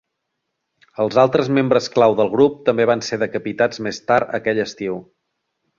Els altres membres clau del grup també van ser decapitats més tard aquell estiu.